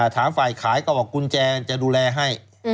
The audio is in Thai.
ฝ่ายขายก็บอกกุญแจจะดูแลให้